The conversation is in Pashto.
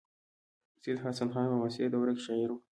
سید حسن خان په معاصره دوره کې شاعر و.